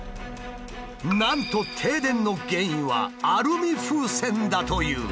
なんと停電の原因はアルミ風船だという。